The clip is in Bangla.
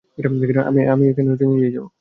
আমি নিজেই যাব।